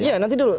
iya nanti dulu